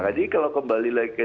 jadi kalau kembali lagi